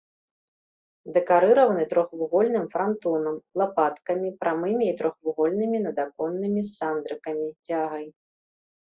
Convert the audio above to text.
Дэкарыраваны трохвугольным франтонам, лапаткамі, прамымі і трохвугольнымі надаконнымі сандрыкамі, цягай.